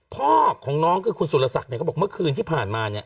พ่อของน้องคือคุณสุรศักดิ์เนี่ยเขาบอกเมื่อคืนที่ผ่านมาเนี่ย